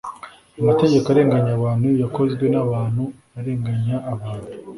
Amategeko arenganya abantu yakozwe n’abantu arenganya abantu